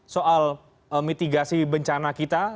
soal mitigasi bencana kita